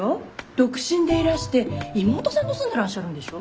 独身でいらして妹さんと住んでらっしゃるんでしょ。